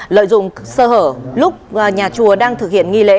lợi dụng sơ hở lúc nhà chùa đang thực hiện nghi lễ